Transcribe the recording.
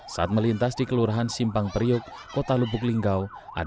saat melintas di kelurahan simpang periuk kota lubuk linggau